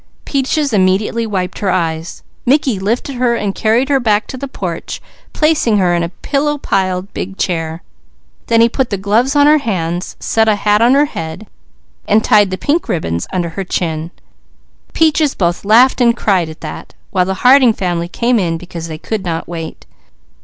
Peaches immediately wiped her eyes. Mickey lifted and carried her back to the porch, placing her in a pillow piled big chair. Then he put the gloves on her hands, set a hat on her head and tied the pink ribbons. Peaches both laughed and cried at that, while the Harding family came in because they could not wait.